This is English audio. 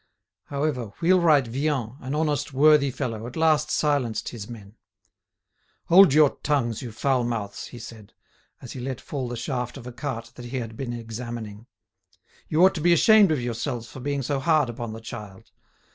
However, wheelwright Vian, an honest, worthy fellow, at last silenced his men. "Hold your tongues, you foul mouths!" he said, as he let fall the shaft of a cart that he had been examining. "You ought to be ashamed of yourselves for being so hard upon the child.